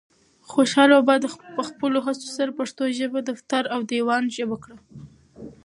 خوشحال بابا په خپلو هڅو سره پښتو ژبه د دفتر او دیوان ژبه کړه.